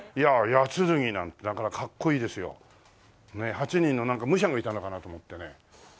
８人のなんか武者がいたのかなと思ってね。